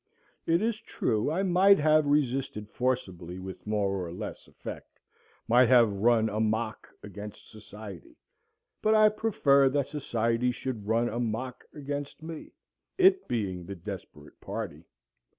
It is true, I might have resisted forcibly with more or less effect, might have run "amok" against society; but I preferred that society should run "amok" against me, it being the desperate party.